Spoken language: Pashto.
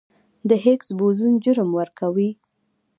د هیګز بوزون جرم ورکوي.